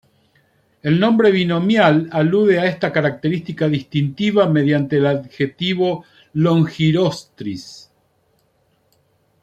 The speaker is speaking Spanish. El nombre binomial alude a esta característica distintiva mediante el adjetivo "longirostris".